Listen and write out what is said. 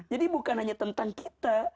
jadi bukan hanya tentang kita